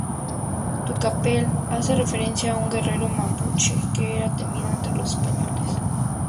Tucapel hace referencia a un guerrero mapuche que era temido entre los españoles.